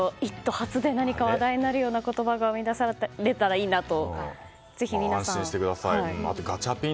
発で何か話題になるような言葉が生み出されたらいいなと。